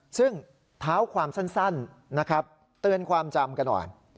ซึ่งเท้าความสั้นนะครับเตือนความจำกันหน่อย